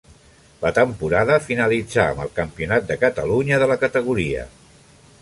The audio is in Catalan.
La temporada finalitzà amb el Campionat de Catalunya de la categoria.